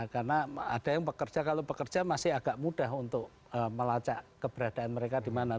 karena ada yang pekerja kalau pekerja masih agak mudah untuk melacak keberadaan mereka di mana